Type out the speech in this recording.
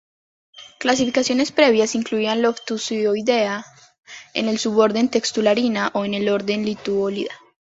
Clasificaciones previas incluían Loftusioidea en el Suborden Textulariina o en el Orden Lituolida.